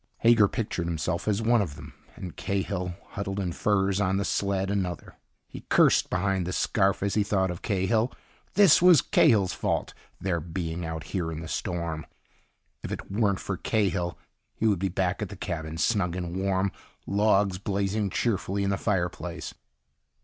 Hager pictured himself as one of them. And Cahill, huddled in furs on the sled, another. He cursed behind the scarf as he thought of Cahill. This was Cahill's fault, their being out here in the storm. If it weren't for Cahill, he would be back at the cabin, snug and warm, logs blazing cheerfully in the fireplace.